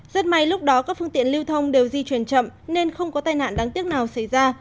rất may lúc đó các phương tiện lưu thông đều di chuyển chậm nên không có tai nạn đáng tiếc nào xảy ra